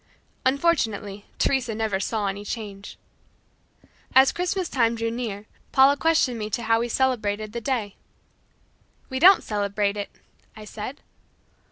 Unfortunately Teresa never saw any change. As Christmas time drew near, Paula questioned me as to how we celebrated that day. "We don't celebrate it," I said.